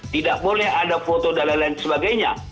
tidak boleh ada foto dan lain lain sebagainya